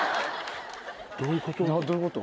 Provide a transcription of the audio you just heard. どういうこと？